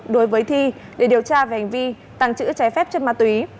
đối với thi để điều tra về hành vi tàng trữ trái phép chất ma túy